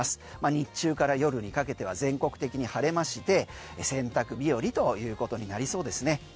日中から夜にかけては全国的に晴れまして洗濯日和ということになりそうですね。